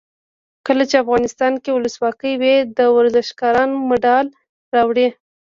کله چې افغانستان کې ولسواکي وي ورزشکاران مډال راوړي.